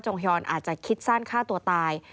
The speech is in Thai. ฮอนอาจจะคิดสั้นฆ่าตัวตาย